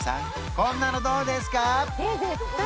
こんなのどうですか？